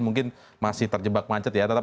mungkin masih terjebak macet ya